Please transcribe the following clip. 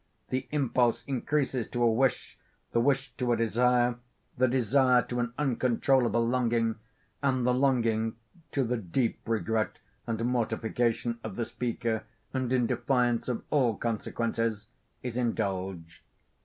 The impulse increases to a wish, the wish to a desire, the desire to an uncontrollable longing, and the longing (to the deep regret and mortification of the speaker, and in defiance of all consequences) is indulged.